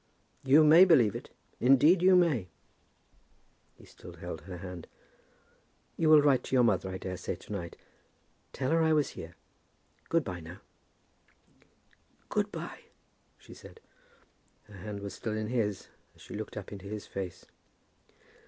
"You may believe it; indeed you may." He still held her hand. "You will write to your mother I daresay to night. Tell her I was here. Good by now." "Good by," she said. Her hand was still in his, as she looked up into his face.